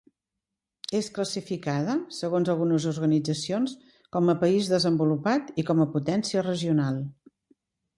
És classificada, segons algunes organitzacions, com a país desenvolupat, i com a potència regional.